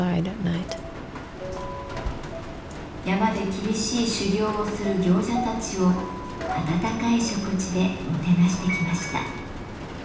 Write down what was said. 山で厳しい修行をする行者たちを温かい食事でもてなしてきました。